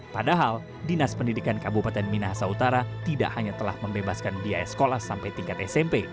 padahal dinas pendidikan kabupaten minahasa utara tidak hanya telah membebaskan biaya sekolah sampai tingkat smp